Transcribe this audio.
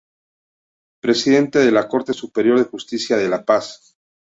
Presidente de la Corte Superior de Justicia de La Paz.